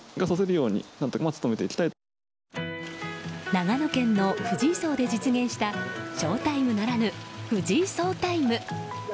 長野県の藤井荘で実現したショータイムならぬ藤井ソウタイム。